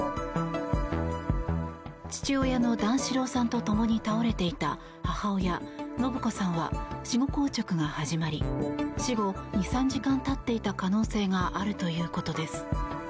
父親の段四郎さんと共に倒れていた母親・延子さんは死後硬直が始まり死後２３時間経っていた可能性があるということです。